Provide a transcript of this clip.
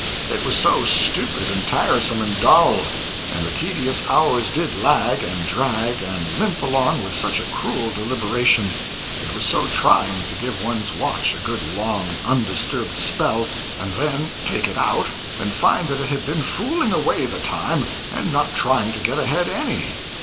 It was so stupid and tiresome and dull! and the tedious hours did lag and drag and limp along with such a cruel deliberation! It was so trying to give one's watch a good long undisturbed spell and then take it out and find that it had been fooling away the time and not trying to get ahead any!